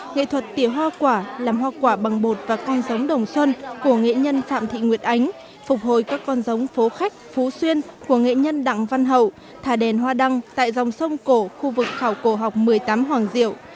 nghệ thuật tiểu hoa quả làm hoa quả bằng bột và con giống đồng xuân của nghệ nhân phạm thị nguyệt ánh phục hồi các con giống phố khách phú xuyên của nghệ nhân đặng văn hậu thả đèn hoa đăng tại dòng sông cổ khu vực khảo cổ học một mươi tám hoàng diệu